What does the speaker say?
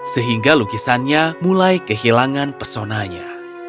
sehingga lukisannya mulai kehilangan pesonanya